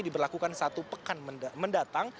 diberlakukan satu pekan mendatang